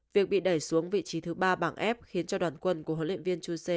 việc bị đẩy xuống vị trí thứ ba bảng f khiến cho đoàn quân của huấn luyện viên chuse